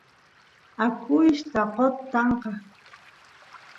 akuyshtaqot tankay